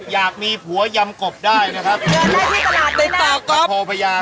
อยากมีผัวยำกบได้นะครับ